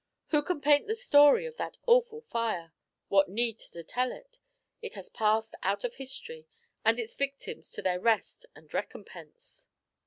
Who can paint the story of that awful fire? What need to tell it? It has passed out of history, and its victims to their rest and recompense.